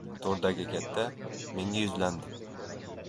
To‘rdagi katta menga yuzlandi.